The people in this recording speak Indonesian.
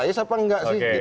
ya siapa enggak sih